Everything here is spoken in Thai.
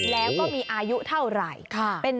แล้วก็มีอายุเท่าไหร่